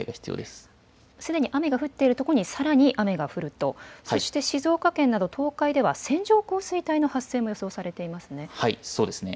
すでに雨が降っているところにさらに雨が降ると、そして静岡県など東海では線状降水帯の発生も予想されていますね。